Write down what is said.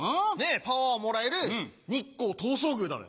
パワーをもらえる日光東照宮だべ。